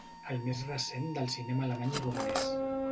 El més recent del cinema alemany i romanès.